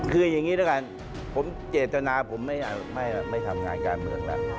คืออย่างนี้แล้วกันผมเจตนาผมไม่ทำงานการเมืองแล้ว